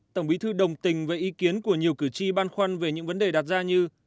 tổng bí thư đồng tình với ý kiến của nhiều cử tri băn khoăn về những vấn đề đặt ra như